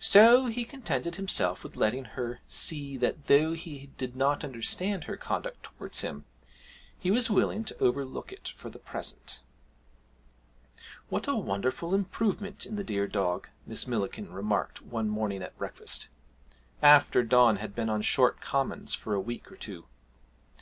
So he contented himself with letting her see that though he did not understand her conduct towards him, he was willing to overlook it for the present. 'What a wonderful improvement in the dear dog!' Miss Millikin remarked one morning at breakfast, after Don had been on short commons for a week or two.